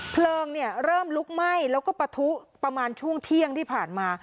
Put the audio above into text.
เพลิงเริ่มลุกไหม้แล้วก็ปะทุประมาณช่วงเที่ยงที่ผ่านมา